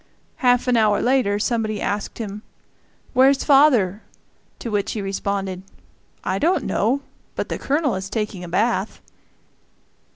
Half an hour later somebody asked him, "Where's father?" to which he responded, "I don't know; but the Colonel is taking a bath."